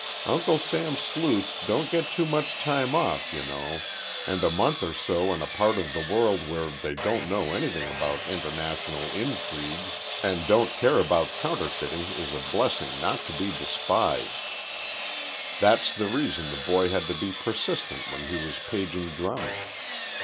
Uncle Sam's sleuths don't get any too much time off, you know, and a month or so in a part of the world where they don't know anything about international intrigues and don't care about counterfeiting is a blessing not to be despised. "That's the reason the boy had to be persistent when he was paging Drummond.